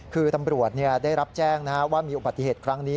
คือตำรวจได้รับแจ้งว่ามีอุบัติเหตุครั้งนี้